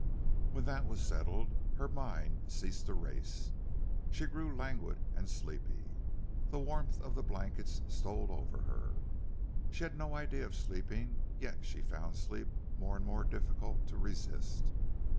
When that was settled her mind ceased to race. She grew languid and sleepy. The warmth of the blankets stole over her. She had no idea of sleeping, yet she found sleep more and more difficult to resist.